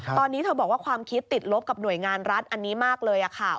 ตอนนี้เธอบอกว่าความคิดติดลบกับหน่วยงานรัฐอันนี้มากเลยค่ะ